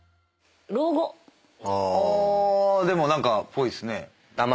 あでも何かぽいっすね。